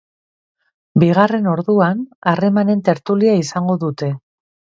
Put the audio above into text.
Bigarren orduan harremanen tertulia izango dute.